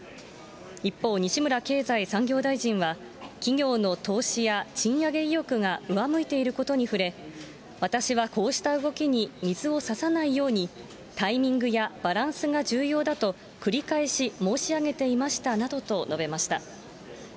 一方、西村経済産業大臣は、企業の投資や賃上げ意欲が上向いていることに触れ、私はこうした動きに水をささないように、タイミングやバランスが重要だと繰り返し申し上げていましたなどと述べました。